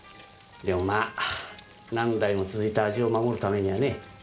でもま何代も続いた味を守るためにはね。